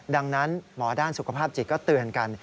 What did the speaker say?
ดังนั้นหมอด้านสุขภาพจิตก็เตือนกัน